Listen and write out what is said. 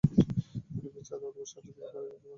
তিনি বিচার অথবা সাজা থেকে পালিয়ে যেতে পারেন বলে আশঙ্কা আছে।